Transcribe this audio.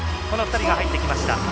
この２人が入ってきました。